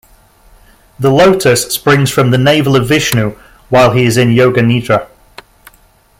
The lotus springs from the navel of Vishnu while he is in Yoga Nidra.